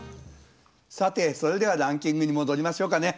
さてそれではランキングに戻りましょうかね。